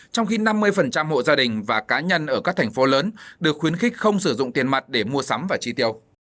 trong khi năm mươi hộ gia đình và cá nhân ở các thành phố lớn được khuyến khích không sử dụng tiền mặt để mua sắm và tri tiêu